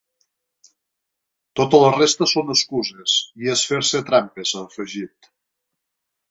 Tota la resta són excuses i és fer-se trampes, ha afegit.